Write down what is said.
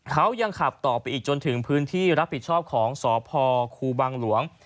เขายังขับต่อไปอีกจนถึงพื้นที่รับผิดชอบของสพครูบังหลวง